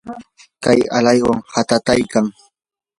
kay alaywan katataykaa.